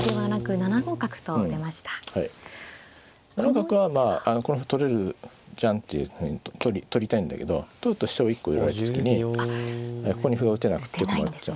７五角はまあこの歩取れるじゃんっていうふうに取りたいんだけど取ると飛車を１個寄られた時にここに歩が打てなくて困っちゃう。